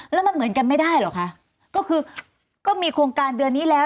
แล้วมันเหมือนกันไม่ได้เหรอคะก็คือก็มีโครงการเดือนนี้แล้ว